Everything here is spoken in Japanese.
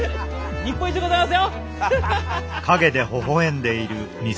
日本一でございますよ！